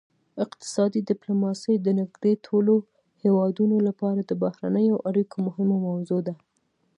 اقتصادي ډیپلوماسي د نږدې ټولو هیوادونو لپاره د بهرنیو اړیکو مهمه موضوع ده